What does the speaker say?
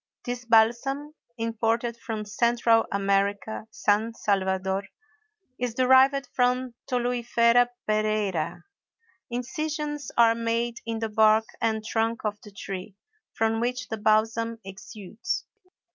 This balsam, imported from Central America (San Salvador), is derived from Toluifera Pereiræ; incisions are made in the bark and trunk of the tree, from which the balsam exudes.